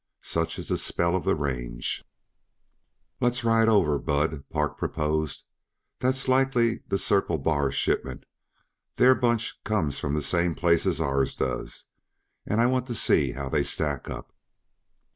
Such is the spell of the range. "Let's ride on over, Bud," Park proposed. "That's likely the Circle Bar shipment. Their bunch comes from the same place ours does, and I want to see how they stack up."